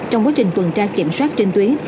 trong quá trình tuần tra kiểm soát trên tuyến